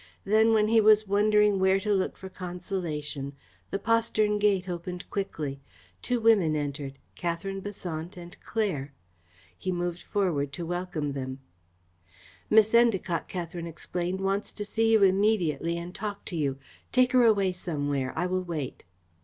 Then, when he was wondering where to look for consolation, the postern gate opened quickly. Two women entered Katherine Besant and Claire. He moved forward to welcome them. "Miss Endacott," Katherine explained, "wants to see you immediately and talk to you. Take her away somewhere. I will wait."